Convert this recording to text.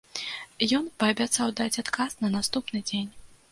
Ён паабяцаў даць адказ на наступны дзень.